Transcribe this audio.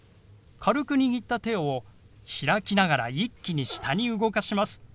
軽く握った手を開きながら一気に下に動かします。